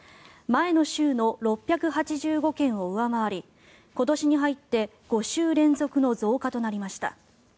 前の週の６８５件を上回り今年に入って５週連続の増加となりました。